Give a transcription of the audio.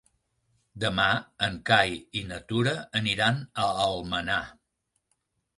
Demà en Cai i na Tura aniran a Almenar.